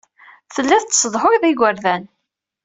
Telliḍ tessudhuyeḍ igerdan.